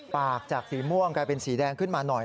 จากสีม่วงกลายเป็นสีแดงขึ้นมาหน่อย